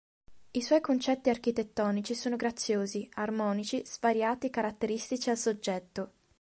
I suoi concetti architettonici sono graziosi, armonici, svariati e caratteristici al soggetto.